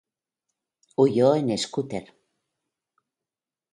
Huyó en "scooter".